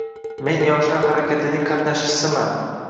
Men yoshlar harakatining qatnashchisiman.